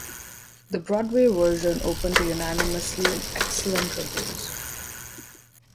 The Broadway version opened to unanimously excellent reviews.